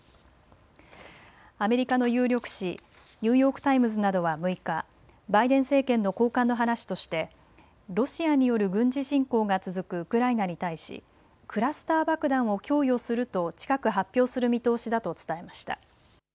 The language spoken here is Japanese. アメリカの有力紙、ニューヨーク・タイムズなどは６日、バイデン政権の高官の話としてロシアによる軍事侵攻が続くウクライナに対しクラスター爆弾を供与すると近く発表する見通しだと伝えました。